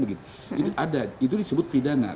itu disebut pidanak